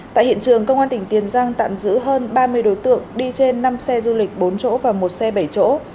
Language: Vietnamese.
tại hiện trường công an tỉnh tiền giang tạm giữ hơn ba mươi đối tượng đi trên năm xe du lịch bốn chỗ và một xe bảy chỗ